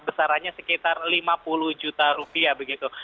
besarannya sekitar lima puluh juta rupiah begitu